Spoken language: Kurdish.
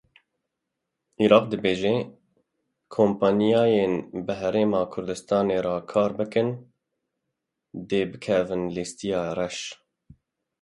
Iraq dibêje; Kompanyayên bi Herêma Kurdistanê re kar bikin dê bikevin lîsteya reş.